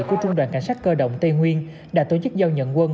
của trung đoàn cảnh sát cơ động tây nguyên đã tổ chức giao nhận quân